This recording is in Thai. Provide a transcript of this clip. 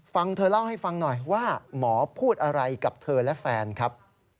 ฟังเธอเล่าให้ฟังหน่อยว่าหมอพูดอะไรกับเธอและแฟนครับ